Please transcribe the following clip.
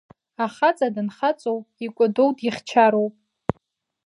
Ахаҵа данхаҵоу, икәадоу дихьчароуп.